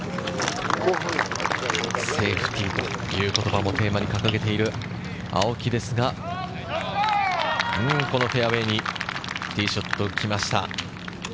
「セーフティー」という言葉をテーマに掲げている青木ですが、このフェアウエーにティーショット、きました。